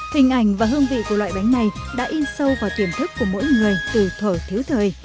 hình ảnh và hương vị của loại bánh này đã in sâu vào tiềm thức của mỗi người từ thở thiếu thời